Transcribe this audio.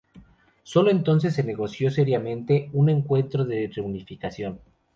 Solo entonces se negoció seriamente un encuentro de reunificación.